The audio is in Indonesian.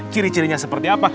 ciri cirinya seperti apa